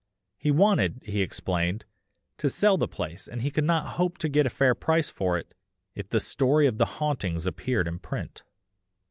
He wanted, he explained, to sell the place and he could not hope to get a fair price for it, if the story of the hauntings appeared in print.